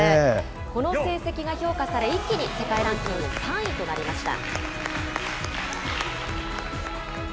この成績が評価され、一気に世界ランキング３位となりました。